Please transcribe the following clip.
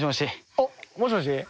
あっもしもし？